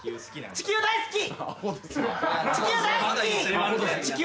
地球好き。